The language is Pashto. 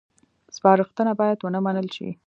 سپارښتنه باید ونه منل شي